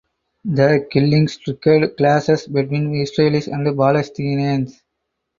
The killings triggered clashes between Israelis and Palestinians.